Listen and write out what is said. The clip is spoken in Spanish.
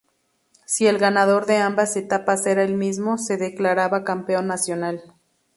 Si el ganador de ambas etapas era el mismo, se declaraba campeón nacional.